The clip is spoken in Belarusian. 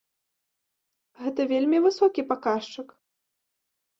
Гэта вельмі высокі паказчык!